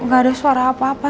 gak ada suara apa apa